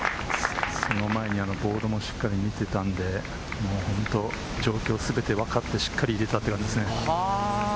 その前にボードもしっかり見ていたので、状況全て分かって、しっかり入れたという感じですね。